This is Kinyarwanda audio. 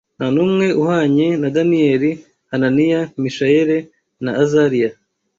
nta n’umwe uhwanye na Daniyeli, Hananiya, Mishayeli na Azariya